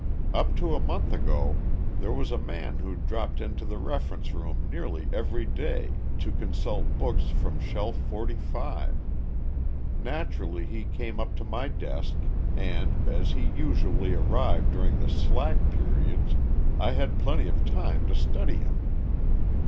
"Up to a month ago there was a man who dropped into the reference room nearly every day to consult books from Shelf Forty five. Naturally he came up to my desk, and, as he usually arrived during the slack periods, I had plenty of time to study him.